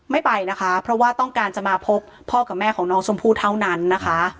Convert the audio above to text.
ไม่ไปนะคะเพราะว่าต้องการจะมาพบพ่อกับแม่ของน้องชมพู่เท่านั้นนะคะ